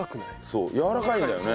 そうやわらかいんだよね